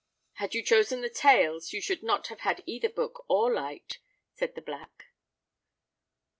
"Had you chosen the Tales, you should not have had either book or light," said the Black.